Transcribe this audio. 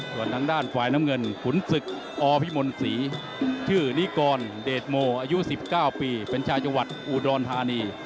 ส่วนทางด้านฝ่ายน้ำเงินขุนศึกอพิมลศรีชื่อนิกรเดชโมอายุ๑๙ปีเป็นชาวจังหวัดอุดรธานี